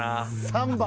３番。